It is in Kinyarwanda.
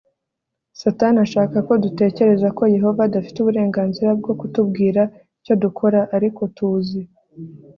Satani ashaka ko dutekereza ko Yehova adafite uburenganzira bwo kutubwira icyo dukora Ariko tuzi